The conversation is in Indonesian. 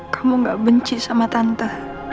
kamu gak benci sama tante